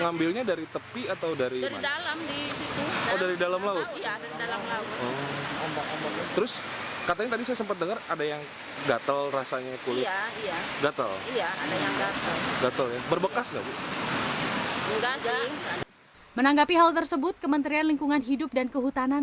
menanggapinya hal tersebut kementerian lingkungan hidup dan kehutanan